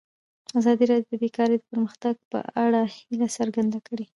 ازادي راډیو د بیکاري د پرمختګ په اړه هیله څرګنده کړې.